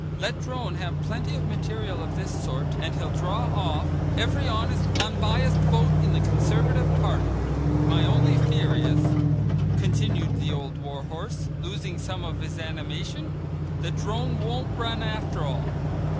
Let Drone have plenty of material of this sort and he'll draw off every honest unbiased vote in the Conservative party. "My only fear is," continued the old war horse, losing some of his animation, "that Drone won't run after all.